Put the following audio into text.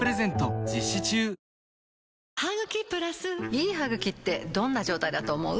いい歯ぐきってどんな状態だと思う？